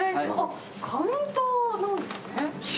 カウンターなんですね。